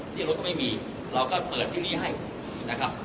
ที่รถก็ไม่มีเราก็เปิดที่นี่ให้นะครับ